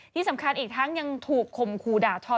ที่สำคัญอีกทั้งยังถูกคมคู่ด่าทอ